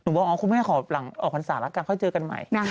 บอกอ๋อคุณแม่ขอหลังออกพรรษาแล้วกันค่อยเจอกันใหม่